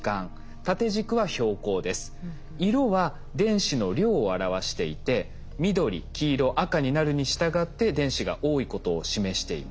色は電子の量を表していて緑黄色赤になるにしたがって電子が多いことを示しています。